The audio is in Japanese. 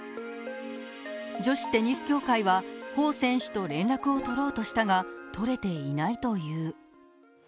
女子テニス協会は彭選手と連絡を取ろうとしたが、取れていないという。